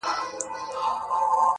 له آمو تر اباسینه دا څپه له کومه راوړو٫